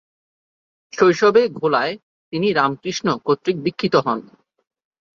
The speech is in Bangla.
শৈশবে ঘোলায় তিনি রামকৃষ্ণ কর্তৃক দীক্ষিত হন।